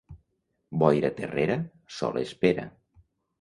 Boira terrera, sol espera.